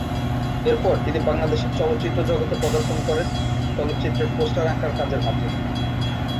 এরপর তিনি বাংলাদেশের চলচ্চিত্র জগতে পদার্পণ করেন চলচ্চিত্রের পোস্টার আঁকার কাজের মাধ্যমে।